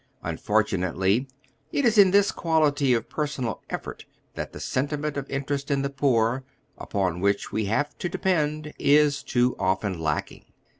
Unfortunately, it is in this qoaiity of personal effoit that the sentiment of inter est in the poor, upon which we have to depend, is too often lacking.